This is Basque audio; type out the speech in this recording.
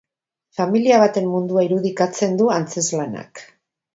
Familia baten mundua irudikatzen du antzezlanak.